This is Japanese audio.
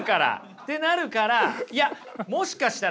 ってなるからいやもしかしたらね